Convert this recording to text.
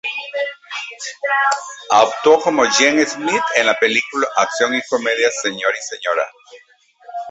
Actuó como Jane Smith, en la película de acción y comedia "Sr. y Sra.